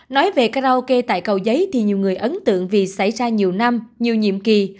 nói về karaoke tại cầu giấy thì nhiều người ấn tượng vì xảy ra nhiều năm nhiều nhiệm kỳ